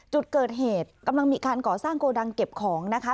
จุดเกิดเหตุกำลังมีการก่อสร้างโกดังเก็บของนะคะ